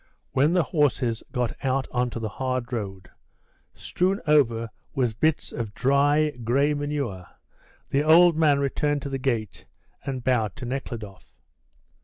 When the horses got out on to the hard road, strewn over with bits of dry, grey manure, the old man returned to the gate, and bowed to Nekhludoff.